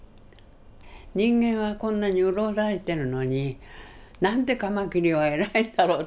人間はこんなにうろたえてるのになんてカマキリは偉いんだろうと思った。